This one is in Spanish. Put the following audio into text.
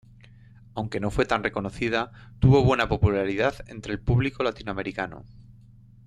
Aunque no fue tan reconocida, tuvo buena popularidad entre el público latinoamericano.